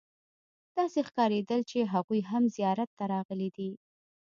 داسې ښکارېدل چې هغوی هم زیارت ته راغلي دي.